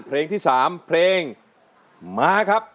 เพลงที่๓เพลงมาครับ